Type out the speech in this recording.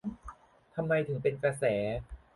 ทำไมถึงเป็นกระแส